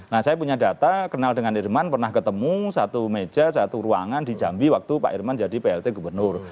nah saya punya data kenal dengan irman pernah ketemu satu meja satu ruangan di jambi waktu pak irman jadi plt gubernur